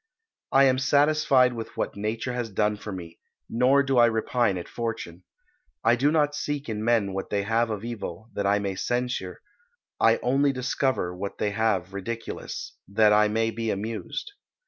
I am satisfied with what nature has done for me, nor do I repine at fortune. I do not seek in men what they have of evil, that I may censure; I only discover what they have ridiculous, that I may be amused.